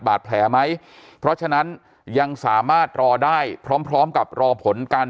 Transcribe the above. แผลไหมเพราะฉะนั้นยังสามารถรอได้พร้อมพร้อมกับรอผลการ